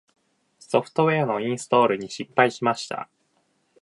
ソフトウェアのインストールに失敗しました。